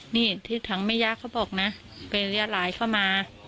นี่ที่ทางแม่ย่าเขาบอกนะไปเรียกหลายเข้ามา